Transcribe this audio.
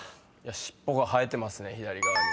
尻尾が生えてますね左側に。